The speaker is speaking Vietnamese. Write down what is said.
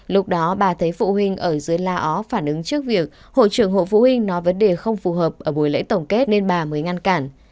lúc đó bà thấy phụ huynh ở dưới la ó phản ứng trước việc hội trưởng hộ phụ huynh nói vấn đề không phù hợp ở buổi lễ tổng kết nên bà mới ngăn cản